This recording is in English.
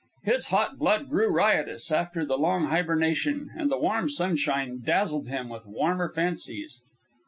His hot blood grew riotous after the long hibernation, and the warm sunshine dazzled him with warmer fancies.